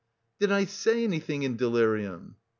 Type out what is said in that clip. "Did I say anything in delirium?"